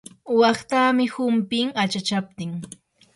waqtamii humpin achachaptin.